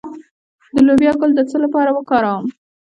د لوبیا ګل د څه لپاره وکاروم؟